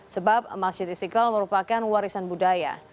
sebab masjid istiqlal merupakan warisan budaya